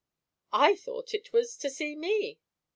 "I thought it was, to see me."